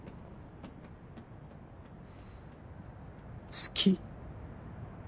好き。